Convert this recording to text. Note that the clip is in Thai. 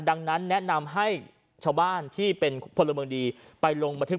ดังนั้นแนะนำให้ชาวบ้านที่เป็นพลเมืองดีไปลงบันทึก